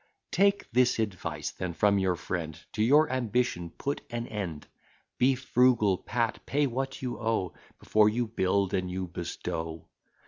Take this advice then from your friend, To your ambition put an end, Be frugal, Pat: pay what you owe, Before you build and you bestow.